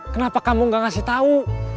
kenapa kamu gak ngasih tahu